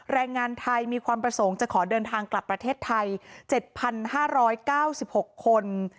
แรงงานไทยมีความประสงค์จะขอเดินทางกลับประเทศไทย๗๕๙๖คน